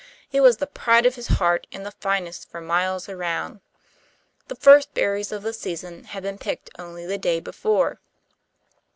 It was the pride of his heart, and the finest for miles around. The first berries of the season had been picked only the day before.